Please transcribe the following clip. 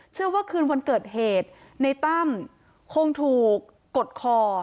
ว่าคืนวันเกิดเหตุในตั้มคงถูกกดคอ